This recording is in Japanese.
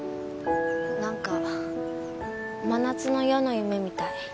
何か『真夏の夜の夢』みたい。